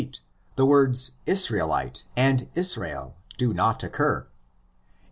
the words ''Israelite'' and '*Tsrael'' do not occur; in cc.